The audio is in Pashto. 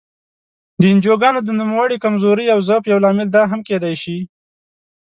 د انجوګانو د نوموړې کمزورۍ او ضعف یو لامل دا هم کېدای شي.